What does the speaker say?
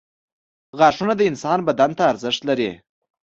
• غاښونه د انسان بدن ته ارزښت لري.